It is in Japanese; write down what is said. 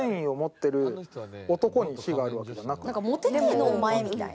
「モテてえの？お前」みたいな。